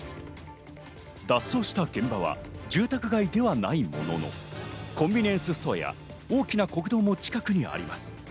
脱走した現場は住宅街ではないものの、コンビニエンスストアや大きな国道も近くにあります。